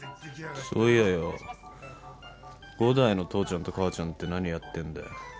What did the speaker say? そういやぁよ伍代の父ちゃんと母ちゃんって何やってんだよ？